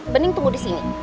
bening tunggu di sini